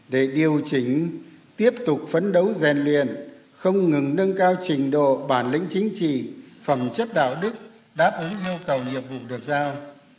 để điều chỉnh tiếp tục phấn đấu rèn luyện không ngừng nâng cao trình độ bản lĩnh chính trị phẩm chất đạo đức đáp ứng yêu cầu nhiệm vụ được giao